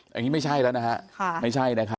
อย่างนี้ไม่ใช่แล้วนะฮะไม่ใช่นะครับ